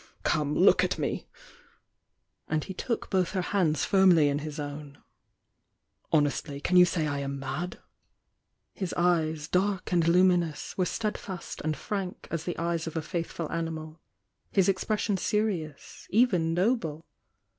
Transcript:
Come, look at me!" and he took both her hands firmly in his fji^ n "Honestly can you say I am mad?" His eyes, dark and luminous, were steadfast and frank as the eyes of a faithful animal,— his expres sion serious,— even noble.